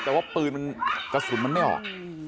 แต่ว่าปืนมันกระสุนมันไม่ออก